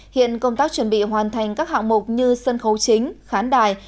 hiện công tác chuẩn bị hoàn thành các hạng mục như sân khấu chính khán đài